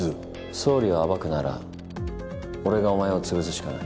総理を暴くなら俺がお前を潰すしかな